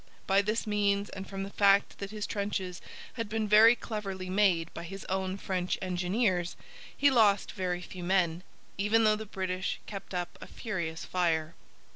By this means, and from the fact that his trenches had been very cleverly made by his own French engineers, he lost very few men, even though the British kept up a furious fire.